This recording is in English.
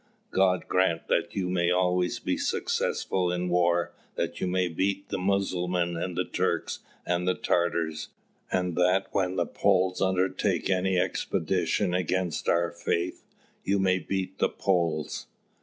God grant that you may always be successful in war, that you may beat the Musselmans and the Turks and the Tatars; and that when the Poles undertake any expedition against our faith, you may beat the Poles.